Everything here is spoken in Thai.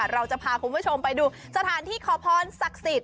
เราจะพาคุณผู้ชมไปดูสถานที่ขอพรศักดิ์สิทธิ